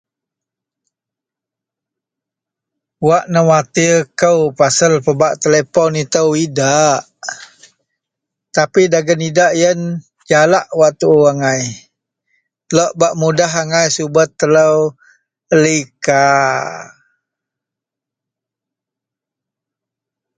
Wak newatir kou pasel pebak telepon itou idak tapi dagen idak yen jalak wak tuu angai lok bak mudah angai subet telou lika.